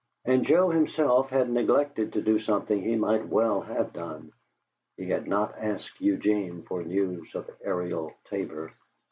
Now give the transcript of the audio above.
And Joe himself had neglected to do something he might well have done: he had not asked Eugene for news of Ariel Tabor.